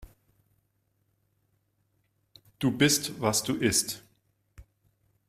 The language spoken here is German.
Du bist, was du isst.